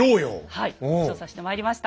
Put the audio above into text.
はい調査してまいりました。